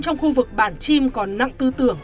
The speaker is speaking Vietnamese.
trong khu vực bản chim còn nặng tư tưởng